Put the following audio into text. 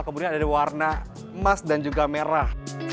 kemudian ada warna emas dan juga merah